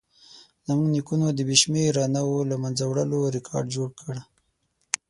زموږ نیکونو د بې شمېره نوعو له منځه وړلو ریکارډ جوړ کړ.